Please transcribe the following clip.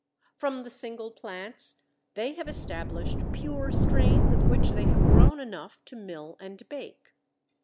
From the single plants they have established pure strains of which they have grown enough to mill and bake.